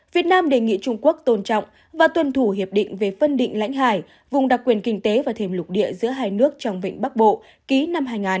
việt nam đề nghị trung quốc tôn trọng và tuân thủ hiệp định về phân định lãnh hải vùng đặc quyền kinh tế và thêm lục địa giữa hai nước trong vịnh bắc bộ ký năm hai nghìn một mươi